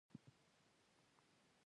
مچان له انسان سره مزاحمت کوي